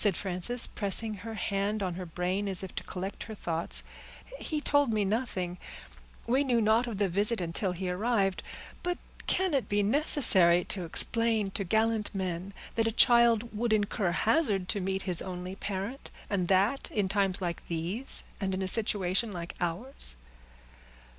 said Frances, pressing her hand on her brain, as if to collect her thoughts; "he told me nothing—we knew not of the visit until he arrived; but can it be necessary to explain to gallant men, that a child would incur hazard to meet his only parent, and that in times like these, and in a situation like ours?"